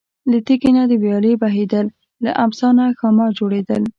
له تیږې نه د ویالې بهیدل، له امسا نه ښامار جوړېدل.